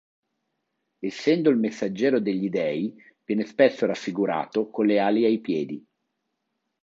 Essendo il messaggero degli dei viene spesso raffigurato con le ali ai piedi.